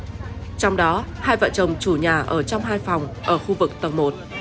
trong đó hai vợ chồng chủ nhà ở trong hai phòng ở khu vực tầng một